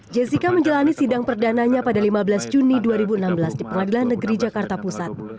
jessica menjalani sidang perdananya pada lima belas juni dua ribu enam belas di pengadilan negeri jakarta pusat